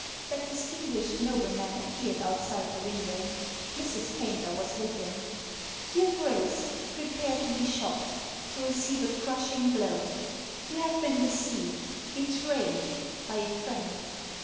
That distinguished nobleman appeared outside the window. Mrs. Paynter was with him. "Your Grace, prepare to be shocked — to receive a crushing blow. You have been deceived — betrayed — by a friend.